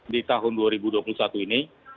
di tahun dua ribu dua puluh satu ini